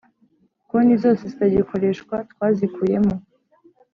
konti zose zitagikoreshwa twazikuyemo